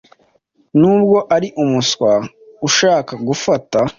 nubwo ari umuswa ushaka gufata